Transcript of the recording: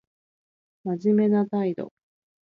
真面目な態度